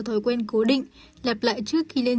thói quen cố định lẹp lại trước khi lên